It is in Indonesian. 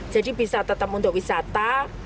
jadi bisa tetap untuk wisata